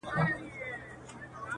د وینو په دریاب کي یو د بل وینو ته تږي،